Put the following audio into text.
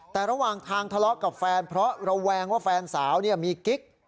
แต่ระหว่างทางทะเลาะกับแฟนเพราะระแวงว่าแฟนสาวมีกิ๊ก